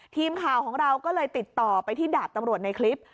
ทีมข่าวของเราก็เลยติดต่อไปที่ดาบตำรวจในคลิป